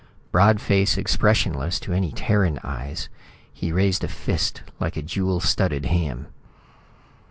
Broad face expressionless to any Terran eyes, he raised a fist like a jewel studded ham.